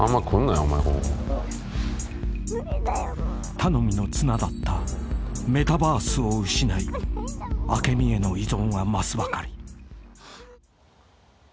［頼みの綱だったメタバースを失いアケミへの依存は増すばかり］